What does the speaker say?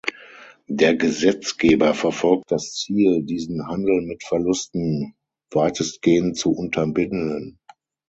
Der Gesetzgeber verfolgt das Ziel, diesen "Handel mit Verlusten" weitestgehend zu unterbinden.